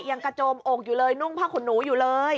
ยังกระโจมอกอยู่เลยนุ่งผ้าขนหนูอยู่เลย